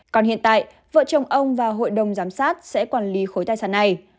còn hiện tại vợ chồng ông và hội đồng giám sát sẽ quản lý khối tài sản này